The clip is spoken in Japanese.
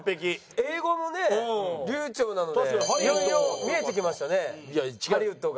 英語もね流暢なのでいよいよ見えてきましたねハリウッドが。